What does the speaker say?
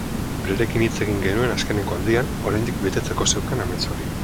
Berarekin hitz egin genuen azkeneko aldian, oraindik betetzeko zeukan amets hori.